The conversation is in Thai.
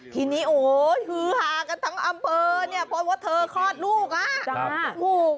ทีนี้โอ้โฮฮือหากันทั้งอำเภอเพราะว่าเธอคลอดลูก